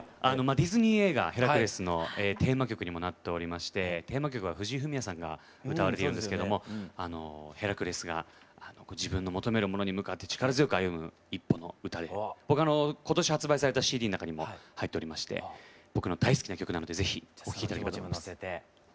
ディズニー映画「ヘラクレス」のテーマ曲にもなっておりましてテーマ曲は藤井フミヤさんが歌われているんですけれどもヘラクレスが自分の求めるものに向かって力強く歩む一歩の歌で他の今年発売されたＣＤの中にも入っておりまして僕の大好きな曲なのでぜひお聴き頂きたいと思います。